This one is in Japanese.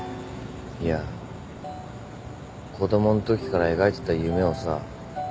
いや子供んときから描いてた夢をさ